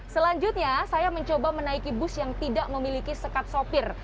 selanjutnya saya mencoba menaiki bus yang tidak memiliki sekat sopir